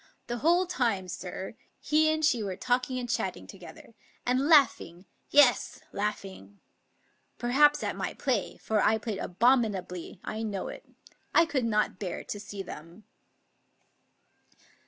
The whole time, sir, he and she were talking and chatting together, and laughing — yes, laughing! Perhaps at my play, for I played abominably; I know it. I could not bear to see them."